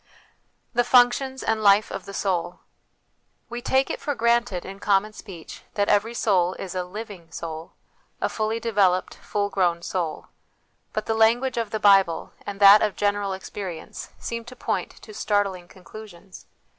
The Functions and Life of the Soul. We take it for granted in common speech that every soul is a ' living soul,' a fully developed, full grown soul ; but the language of the Bible and that of general experience seem to point to startling conclusions.